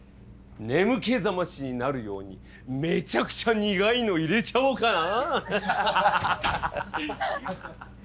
眠気覚ましになるようにめちゃくちゃ苦いのいれちゃおうかな？